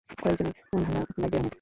কয়েকজনের মন ভাঙা লাগবে আমার!